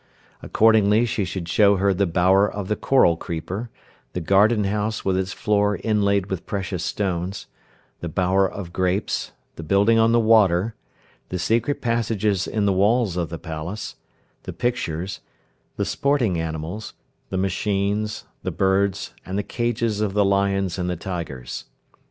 Accordingly she should show her the bower of the coral creeper, the garden house with its floor inlaid with precious stones, the bower of grapes, the building on the water, the secret passages in the walls of the palace, the pictures, the sporting animals, the machines, the birds, and the cages of the lions and the tigers.